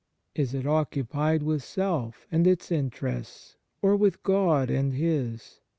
Is it occupied with self and its interests, or with God and His